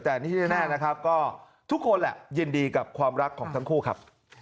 แต่นี่แน่นะครับก็ทุกคนแหละยินดีกับความรักของทั้งคู่ครับ